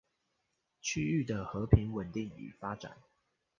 區域的和平穩定與發展